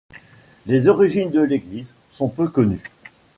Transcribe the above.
Les origines de l'église sont peu connues.